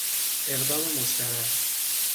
اقدام مشترک